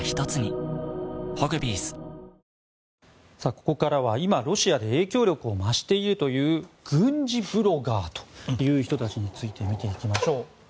ここからは今、ロシアで影響力を増しているという軍事ブロガーという人たちについて見ていきましょう。